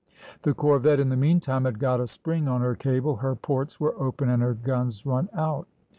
The corvette in the meantime had got a spring on her cable, her ports were open and her guns run out.